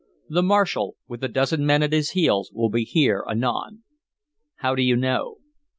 The marshal, with a dozen men at his heels, will be here anon." "How do you know?"